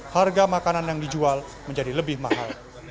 harga makanan yang dijual menjadi lebih mahal